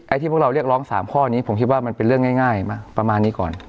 ที่พวกเราเรียกร้อง๓ข้อนี้ผมคิดว่ามันเป็นเรื่องง่ายมาประมาณนี้ก่อน